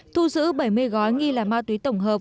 thu giữ bảy mươi gói nghi là ma túy tổng hợp